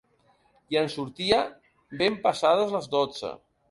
I en sortia ben passades les dotze.